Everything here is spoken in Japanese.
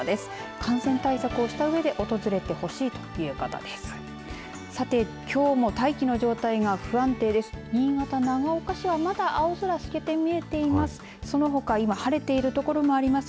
感染対策をしたうえで訪れてほしいということです。